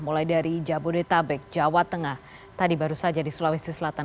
mulai dari jabodetabek jawa tengah tadi baru saja di sulawesi selatan